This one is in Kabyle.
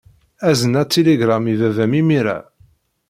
Azen atiligṛam i baba-m imir-a.